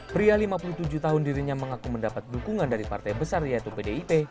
pria lima puluh tujuh tahun dirinya mengaku mendapat dukungan dari partai besar yaitu pdip